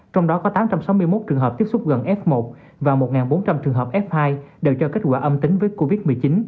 trong đó có tám trăm sáu mươi một trường hợp tiếp xúc gần f một và một bốn trăm linh trường hợp f hai đều cho kết quả âm tính với covid một mươi chín